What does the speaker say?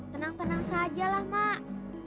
tenang tenang saja lah mak